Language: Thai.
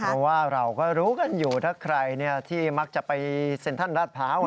เพราะว่าเราก็รู้กันอยู่ถ้าใครที่มักจะไปเซ็นทรัลราดพร้าว